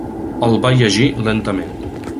El va llegir lentament.